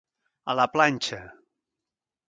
A la planxa.